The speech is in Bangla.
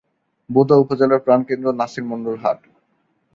বোদা উপজেলার প্রান কেন্দ্র নাসির মন্ডল হাট।